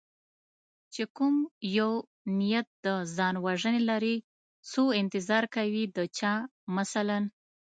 چې کوم یو نیت د ځان وژنې لري څو انتظار کوي د چا مثلا